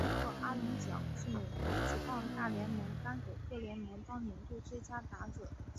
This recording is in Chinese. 汉克阿伦奖是美国职棒大联盟颁给各联盟当年度最佳打者的奖项。